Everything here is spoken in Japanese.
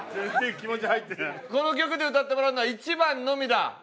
この曲で歌ってもらうのは１番のみだ。